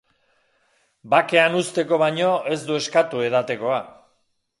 Bakean uzteko baino ez du eskatu edatekoa.